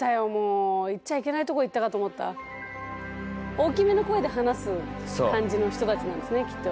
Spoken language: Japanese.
大きめの声で話す感じの人たちなんですねきっと。